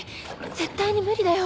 絶対に無理だよ！